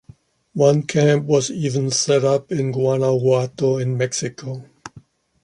One camp was even set up in Guanajuato in Mexico.